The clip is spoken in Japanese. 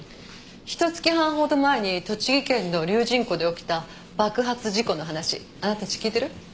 ひと月半ほど前に栃木県の龍仁湖で起きた爆発事故の話あなたたち聞いてる？